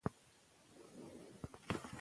اوس د تاريخ بيا ليکلو وخت دی.